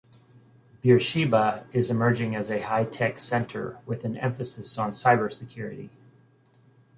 Beersheba is emerging as a high-tech center, with an emphasis on cyber security.